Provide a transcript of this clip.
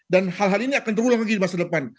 dan hal hal ini akan terulang lagi di masa depan